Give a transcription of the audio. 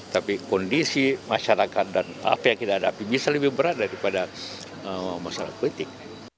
tapi kondisi masyarakat dan apa yang kita hadapi bisa lebih berat daripada masalah politik